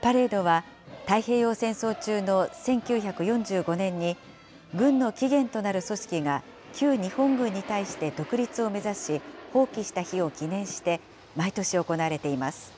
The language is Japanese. パレードは、太平洋戦争中の１９４５年に、軍の起源となる組織が、旧日本軍に対して独立を目指し、蜂起した日を記念して、毎年行われています。